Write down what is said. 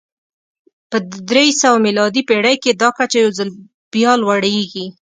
په درې سوه میلادي پېړۍ کې دا کچه یو ځل بیا لوړېږي